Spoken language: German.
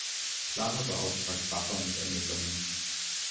Clara beauftragt Bacha mit Ermittlungen.